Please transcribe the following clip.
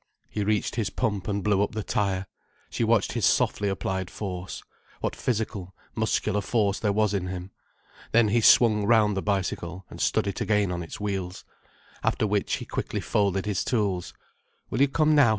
He reached his pump and blew up the tire. She watched his softly applied force. What physical, muscular force there was in him. Then he swung round the bicycle, and stood it again on its wheels. After which he quickly folded his tools. "Will you come now?"